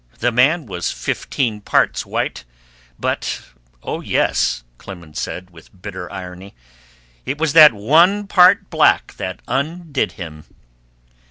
The man was fifteen parts white, but, "Oh yes," Clemens said, with bitter irony, "it was that one part black that undid him."